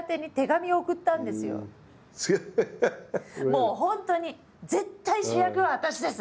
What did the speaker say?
もう本当に絶対主役は私です！